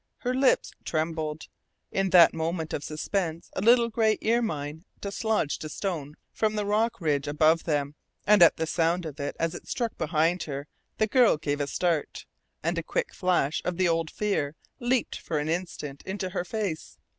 Her lips trembled. In that moment of suspense a little gray ermine dislodged a stone from the rock ridge above them, and at the sound of it as it struck behind her the girl gave a start, and a quick flash of the old fear leaped for an instant into her face.